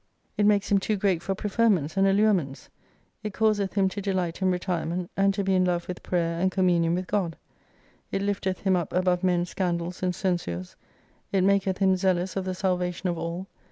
It makes him »5i too great for preferments and allurements. It causeth him to delight in retirement : and to be in love with prayer and communion with God. It lifteth him up above men's scandals and censures. It maketh him zealous of the salvation of all.